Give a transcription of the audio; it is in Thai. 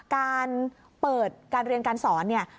การเปิดการเรียนการสอนเนี่ย